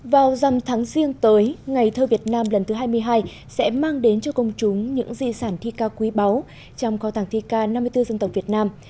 vào dằm tháng riêng tới ngày thơ việt nam lần thứ hai mươi hai sẽ mang đến cho công chúng những di sản thi ca quý báu trong kho tàng thi k năm mươi bốn dân tộc việt nam